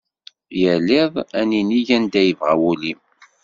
Yal iḍ ad ninig anda yebɣa wul-im.